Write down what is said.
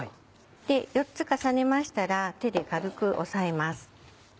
４つ重ねましたら手で軽く押さえます。